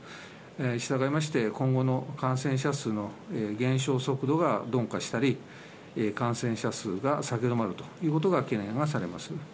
したがいまして、今後の感染者数の減少速度が鈍化したり、感染者数が下げ止まりということが懸念はされます。